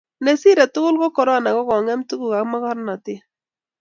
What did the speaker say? Nesirei tugul ko korona kikongem tuguk ak mungaret